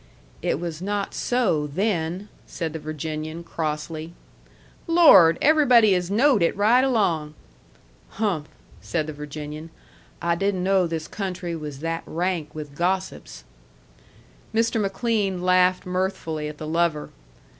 "It was not so, then," said the Virginian, crossly. "Lord! Everybody has knowed it right along." "Hmp!" said the Virginian. "I didn't know this country was that rank with gossips." Mr. McLean laughed mirthfully at the lover.